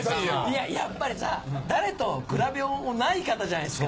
いややっぱりさ誰と比べようのない方じゃないですか。